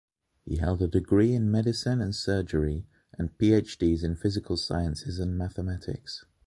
He held a degree in Medicine and Surgery and PhDs in Physical Sciences and Mathematics.